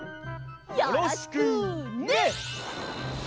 よろしくね！